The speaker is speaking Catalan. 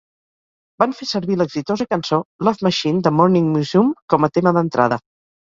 Van fer servir l'exitosa cançó "Love Machine" de Morning Musume com a tema d'entrada.